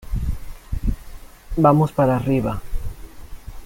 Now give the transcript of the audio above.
vamos para arriba.